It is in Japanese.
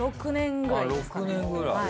６年くらい。